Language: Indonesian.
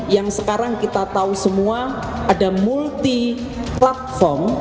yang sekarang kita tahu semua ada multi platform